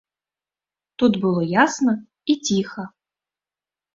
Тут было ясна і ціха.